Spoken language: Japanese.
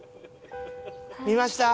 見ました？